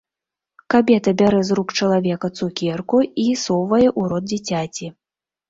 Кабета бярэ з рук чалавека цукерку і совае ў рот дзіцяці.